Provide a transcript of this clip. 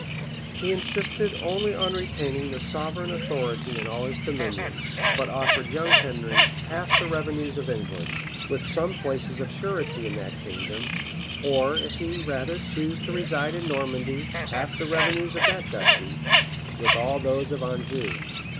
[*] He insisted only on retaining the sovereign authority in all his dominions; but offered young Henry half the revenues of England, with some places of surety in that kingdom; or, if he rather chose to reside in Normandy, half the revenues of that duchy, with all those of Anjou.